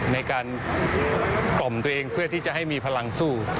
ในการกล่อมตัวเองเพื่อที่จะให้มีพลังสู้